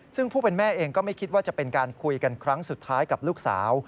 ซึ่งผู้เป็นแม่เองก็ไม่คิดว่าจะเป็นการคุยกันครั้งสุดท้ายกับลูกสาว